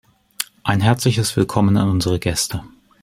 Ein herzliches Willkommen an unsere Gäste.